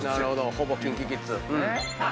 ほぼＫｉｎＫｉＫｉｄｓ。